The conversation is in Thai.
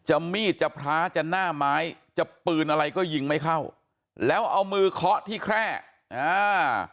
มีดจะพระจะหน้าไม้จะปืนอะไรก็ยิงไม่เข้าแล้วเอามือเคาะที่แคร่อ่า